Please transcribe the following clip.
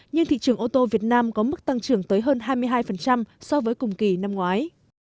nhưng thị trường ô tô việt nam có mức tăng trưởng tới hơn hai mươi hai so với cùng kỳ năm ngoái